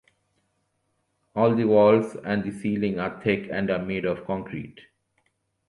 All the walls and the ceiling are thick and are made of concrete.